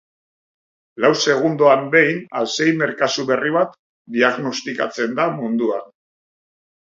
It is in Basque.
Lau segundoan behin alzheimer kasu berri bat diagnostikatzen da munduan.